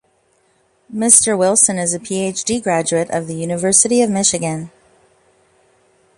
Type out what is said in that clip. Mr. Wilson is a Ph.D. graduate of the University of Michigan.